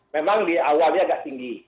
memang di awal dia agak tinggi